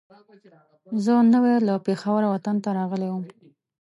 زه نوی له پېښوره وطن ته راغلی وم.